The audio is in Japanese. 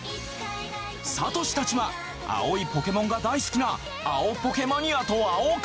サトシたちは青いポケモンが大好きな青ポケマニアと青活？